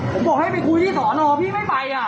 ผมบอกให้ไปคุยที่สอนอพี่ไม่ไป